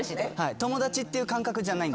友達っていう感覚じゃないんで。